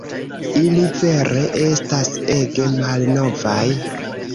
Ili vere estas ege malnovaj